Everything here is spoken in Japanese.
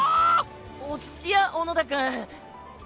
落ち着きや小野田くん。